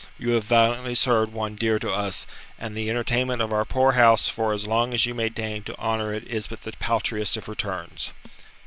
You have valiantly served one dear to us, and the entertainment of our poor house for as long as you may deign to honour it is but the paltriest of returns."